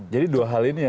jadi dua hal ini yang